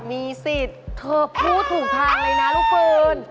มีสิทธิ์เธอพูดถูกทางเลยนะลูกเฟิร์น